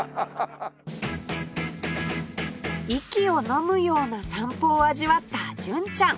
息をのむような散歩を味わった純ちゃん